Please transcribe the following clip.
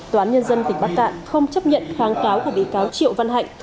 tòa án nhân dân tỉnh bắc cạn không chấp nhận kháng cáo của bị cáo triệu văn hạnh